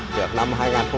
trước năm hai nghìn hai mươi